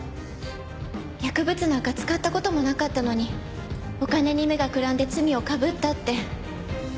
薬物なんか使った事もなかったのにお金に目がくらんで罪をかぶったって。